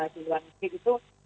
di luar negeri itu